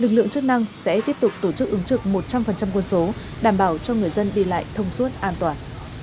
lực lượng chức năng sẽ tiếp tục tổ chức ứng trực một trăm linh quân số đảm bảo cho người dân đi lại thông suốt an toàn